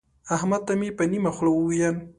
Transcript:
احمد ته مې په نيمه خوله وويل.